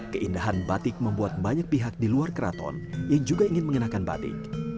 keindahan batik membuat banyak pihak di luar keraton yang juga ingin mengenakan batik